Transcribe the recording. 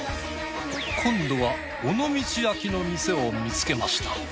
今度は尾道焼きの店を見つけました。